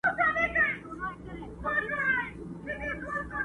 چنار دي ماته پېغور نه راکوي،